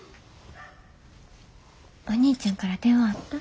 お兄ちゃんから電話あった？